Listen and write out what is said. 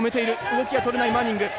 動きが取れないマニング。